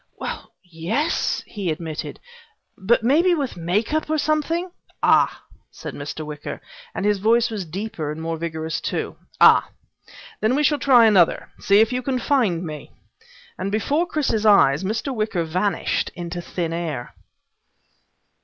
"Well yes," he admitted, "but maybe with make up, or something " "Ah," said Mr. Wicker, and his voice was deeper and more vigorous too. "Ah. Then we shall try another. See if you can find me." And before Chris's eyes Mr. Wicker vanished into thin air.